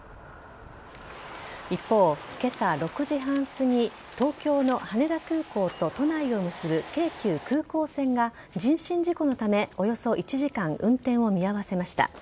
一方、今朝６時半すぎ東京の羽田空港と都内を結ぶ京急空港線が人身事故のためおよそ１時間運転を見合わせました。